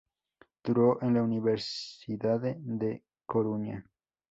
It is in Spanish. Duro en la Universidade da Coruña.